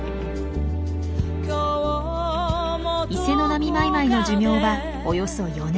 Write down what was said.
イセノナミマイマイの寿命はおよそ４年。